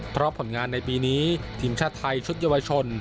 เพราะผลงานในปีนี้ทีมชาติไทยชุดเยาวชน